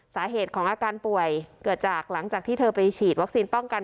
สาเหตุของอาการป่วยเกิดจากหลังจากที่เธอไปฉีดวัคซีนป้องกัน